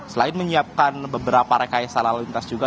selain menyiapkan beberapa rekayasa lalu lintas juga